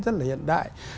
rất là hiện đại